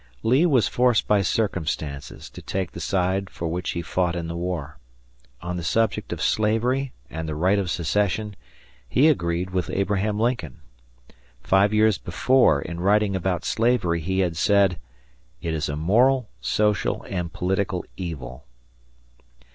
Lee was forced by circumstances to take the side for which he fought in the war. On the subject of slavery and the right of secession, he agreed with Abraham Lincoln. Five years before, in writing about slavery, he had said, "It is a moral, social, and political evil."